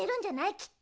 きっと。